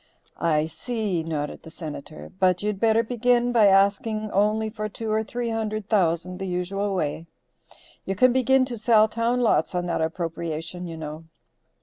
"I see," nodded the Senator. "But you'd better begin by asking only for two or three hundred thousand, the usual way. You can begin to sell town lots on that appropriation you know."